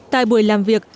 tại buổi làm việc